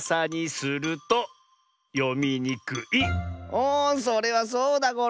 おそれはそうだゴロ！